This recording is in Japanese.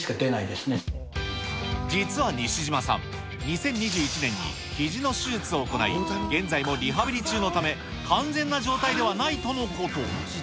実は西島さん、２０２１年にひじの手術を行い、現在もリハビリ中のため、完全な状態ではないとのこと。